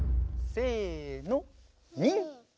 せの。